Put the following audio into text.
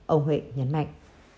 ông huệ nhấn mạnh